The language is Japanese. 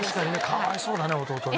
かわいそうだね弟ね。